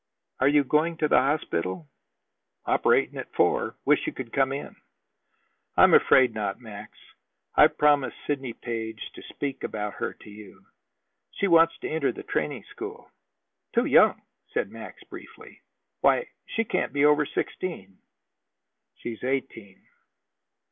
"Are you going to the hospital?" "Operating at four wish you could come in." "I'm afraid not, Max. I've promised Sidney Page to speak about her to you. She wants to enter the training school." "Too young," said Max briefly. "Why, she can't be over sixteen." "She's eighteen."